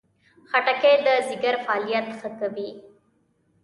خټکی د ځیګر فعالیت ښه کوي.